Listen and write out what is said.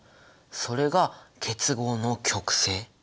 それが結合の極性。